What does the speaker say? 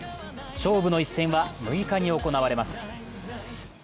勝負の一戦は６日に行われます。